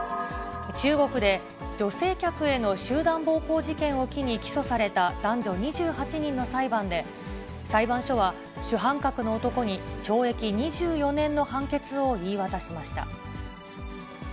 中国で女性客への集団暴行事件を機に起訴された男女２８人の裁判で、裁判所は、主犯格の男に懲役２４年の判決を言い渡しました。